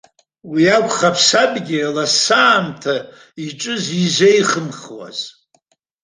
Уи акәхап сабгьы лассаамҭа иҿы зизеихымхуаз.